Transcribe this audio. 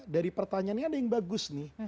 dari pertanyaan ini ada yang bagus nih